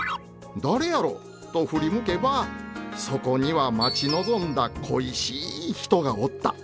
誰やろ？と振り向けばそこには待ち望んだ恋しい人がおった！